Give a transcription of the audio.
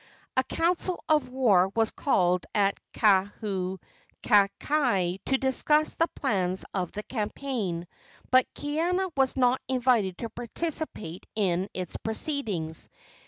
A council of war was called at Kaunakakai to discuss the plans of the campaign, but Kaiana was not invited to participate in its proceedings.